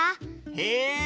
へえ！